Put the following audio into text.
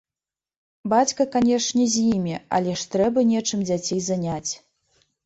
Бацька, канешне, з імі, але ж трэба нечым дзяцей заняць.